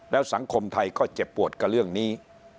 แล้วสังคมไทยก็เจ็บปวดกับเรื่องนี้